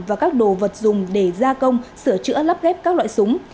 và các đồ vật dùng để gia công sửa chữa lắp ghép các loại súng